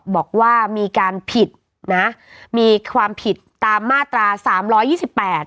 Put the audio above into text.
บอกว่ามีการผิดนะมีความผิดตามมาตราสามร้อยยี่สิบแปด